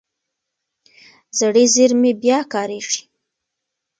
زړې زېرمې بیا کارېږي.